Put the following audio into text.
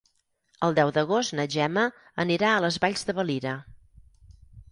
El deu d'agost na Gemma anirà a les Valls de Valira.